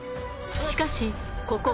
しかしここ